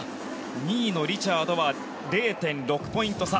２位のリチャードは０．６ポイント差。